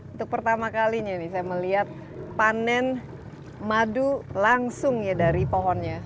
untuk pertama kalinya ini saya melihat panen madu langsung ya dari pohonnya